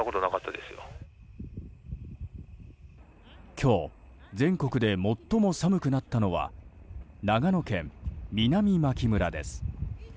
今日全国で最も寒くなったのは長野県南牧村です。